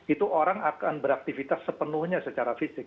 itu orang akan beraktivitas sepenuhnya secara fisik